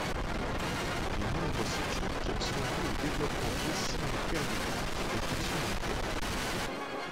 Les nombres cycliques sont liés aux développements décimaux périodiques des fractions unitaires.